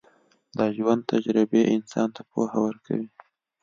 د ژوند تجربې انسان ته پوهه ورکوي.